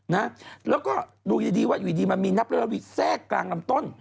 นะแล้วก็ดูดีดีว่าอยู่ดีมันมีนับแล้วแทรกกลางลำต้น